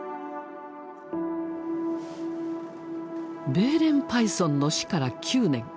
ベーレンパイソンの死から９年。